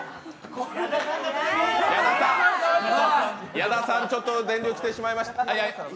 矢田さん、ちょっと電流来てしまいました。